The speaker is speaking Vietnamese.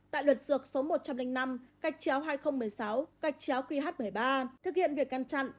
tại luật dược số một trăm linh năm gạch chéo hai nghìn một mươi sáu gạch chéo qh một mươi ba thực hiện việc ngăn chặn